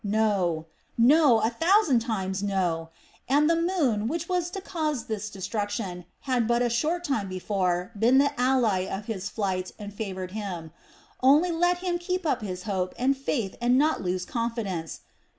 No, no, a thousand times no! And the moon, which was to cause this destruction, had but a short time before been the ally of his flight and favored him. Only let him keep up his hope and faith and not lose confidence.